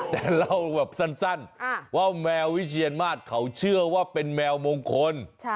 แต่เล่าแบบสั้นว่าแมววิเชียนมาสเขาเชื่อว่าเป็นแมวมงคล